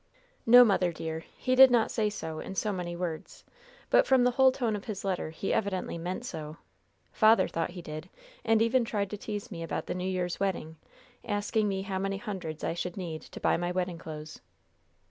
"No, mother, dear, he did not say so, in so many words, but from the whole tone of his letter he evidently meant so. Father thought he did, and even tried to tease me about the New Year's wedding asking me how many hundreds I should need to buy my wedding clothes."